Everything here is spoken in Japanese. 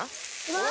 うわ！